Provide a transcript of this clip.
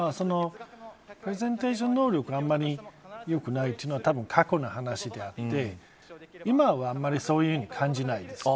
プレゼンテーション能力があんまり良くないというのはたぶん、過去の話であって今はあんまりそういうふうに感じないんです。